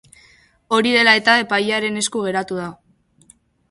Hori dela eta, epailearen esku geratu da.